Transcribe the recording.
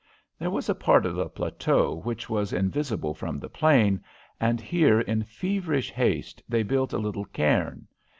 There was a part of the plateau which was invisible from the plain, and here in feverish haste they built a little cairn.